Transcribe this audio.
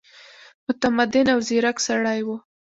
متمدن او ځیرک سړی وو.